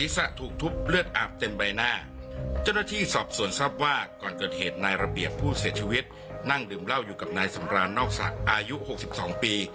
เสียชีวิตนั่งดื่มเล่าอยู่กับนายสำราวนอกศักดิ์อายุ๖๒ปี